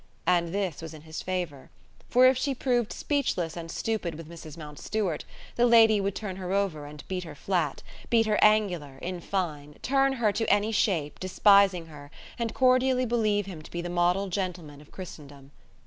And this was in his favour. For if she proved speechless and stupid with Mrs. Mountstuart, the lady would turn her over, and beat her flat, beat her angular, in fine, turn her to any shape, despising her, and cordially believe him to be the model gentleman of Christendom.